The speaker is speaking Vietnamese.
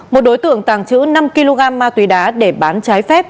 một đối tượng tàng trữ năm kg ma túy đá để bán trái phép